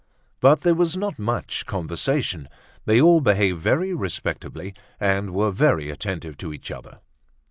But there was not much conversation; they all behaved very respectably and were very attentive to each other.